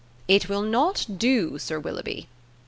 "It will not do, Sir Willoughby."